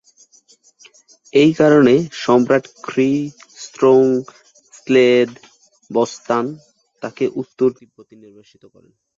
এই কারণে সম্রাট খ্রি-স্রোং-ল্দে-ব্ত্সান তাকে উত্তর তিব্বতে নির্বাসিত করেন।